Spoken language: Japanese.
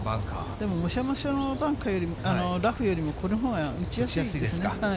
でも、もしゃもしゃのラフよりも、このほうが打ちやすいです